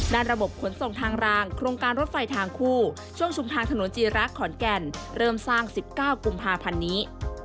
ระบบขนส่งทางรางโครงการรถไฟทางคู่ช่วงชุมทางถนนจีรักษ์ขอนแก่นเริ่มสร้าง๑๙กุมภาพันธ์นี้